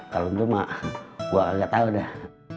kalau gitu mak gue agak tahu dah